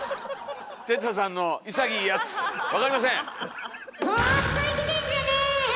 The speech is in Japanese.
哲太さんの潔いやつ「わかりません」。